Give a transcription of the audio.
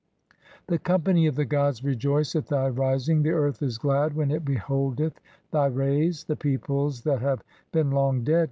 The "company of the gods rejoice at thy rising, the earth is glad "when it beholdeth thy rays ; the peoples that have been long "dead